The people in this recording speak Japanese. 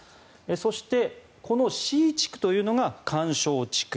そして、このＣ地区というのが緩衝地区